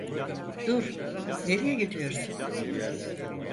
Dur, nereye gidiyorsun?